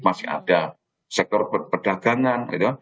masih ada sektor perdagangan